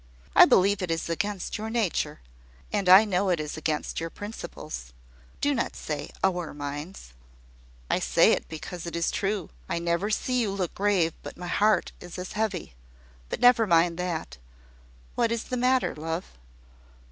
I believe it is against your nature; and I know it is against your principles. Do not say `our minds.'" "I say it because it is true. I never see you look grave but my heart is as heavy . But never mind that. What is the matter, love?"